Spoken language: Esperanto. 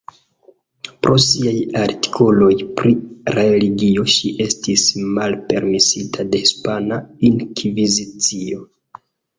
Pro siaj artikoloj pri religio ĝi estis malpermesita de Hispana Inkvizicio.